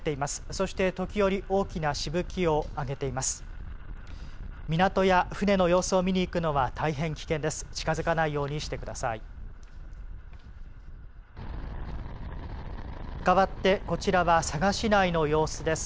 そして時折、大きなしぶきを上げています。